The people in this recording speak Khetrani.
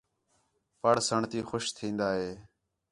پڑھ سݨ تی خوش تِھین٘دا ہِے